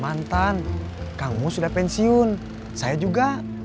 mantan kamu sudah pensiun saya juga